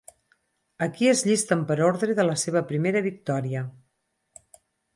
Aquí es llisten per ordre de la seva primera victòria.